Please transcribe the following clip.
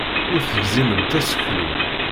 Ur tegzimemt aseklu.